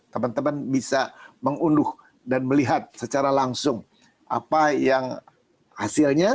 teman teman bisa mengunduh dan melihat secara langsung apa yang hasilnya